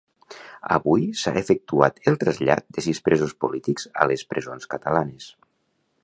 Avui s'ha efectuat el trasllat de sis presos polítics a les presons catalanes.